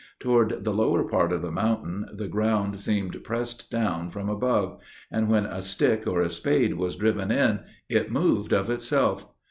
Toward the lower part of the mountain, the ground seemed pressed down from above; and, when a stick or a spade was driven in, it moved of itself.